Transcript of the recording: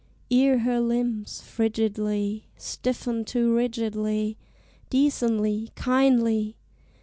Ere her limbs, frigidly, Stiffen too rigidly, Decently, kindly!